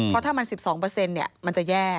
เพราะถ้ามัน๑๒มันจะแย่